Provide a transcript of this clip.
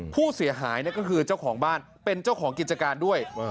ผู้เสียหายก็คือเจ้าของบ้านเป็นเจ้าของกิจการด้วย